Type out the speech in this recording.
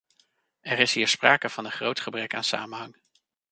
Er is hier sprake van een groot gebrek aan samenhang.